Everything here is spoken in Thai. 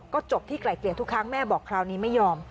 ก็จบที่ไกล่เกลี่ยทุกครั้งแม่บอกคราวนี้ไม่ยอม